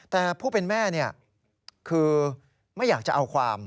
แต่ผู้เป็นแม่คือไม่อยากจะเอาความ